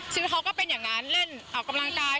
ซื้อเขาก็เป็นอย่างนั้นเล่นออกกำลังกาย